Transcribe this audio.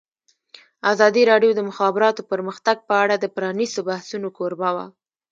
ازادي راډیو د د مخابراتو پرمختګ په اړه د پرانیستو بحثونو کوربه وه.